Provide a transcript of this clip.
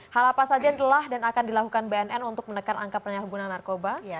hal apa saja yang telah dan akan dilakukan bnn untuk menekan angka penyalahgunaan narkoba